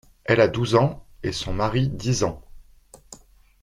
Elle a douze ans, et son mari dix ans.